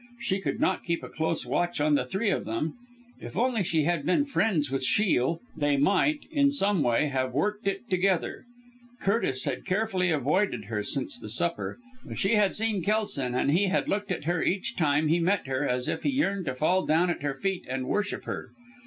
She could not keep a close watch on the three of them. If only she had been friends with Shiel, they might, in some way, have worked it together. Curtis had carefully avoided her since the supper; but she had seen Kelson, and he had looked at her each time he met her as if he yearned to fall down at her feet and worship her.